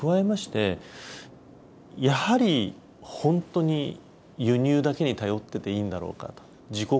加えまして、やはり本当に輸入だけに頼っていていいんだろうかと。